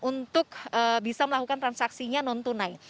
untuk bisa melakukan transaksinya non tunai